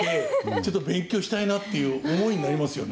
ちょっと勉強したいなっていう思いになりますよね。